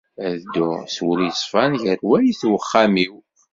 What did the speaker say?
Ad dduɣ s wul yeṣfan gar wayt uxxam-iw.